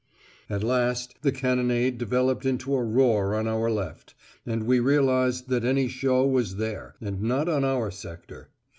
At last the cannonade developed into a roar on our left, and we realised that any show was there, and not on our sector.